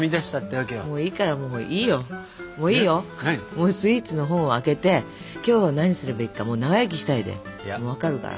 もうスイーツの本を開けて今日は何するべきかもう「長生きしたい」でもう分かるから。